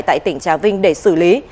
tại tỉnh trà vinh để xử lý